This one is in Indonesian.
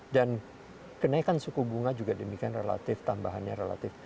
dan kenaikan suku bunga juga demikian relatif tambahannya relatif